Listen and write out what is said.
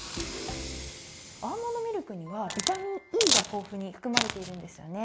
アーモンドミルクにはビタミンＥが豊富に含まれているんですよね。